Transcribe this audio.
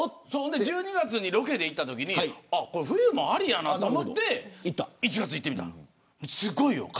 １２月にロケで行ったときにこれは冬もありやなと思って１月に行ってみた。